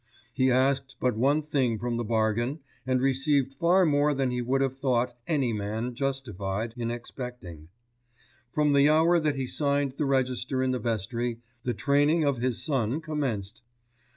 He asked but one thing from the bargain, and received far more than he would have thought any man justified in expecting. From the hour that he signed the register in the vestry, the training of his son commenced.